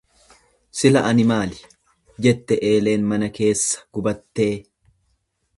"""Sila ani maali"" jette eeleen mana keessa gubattee."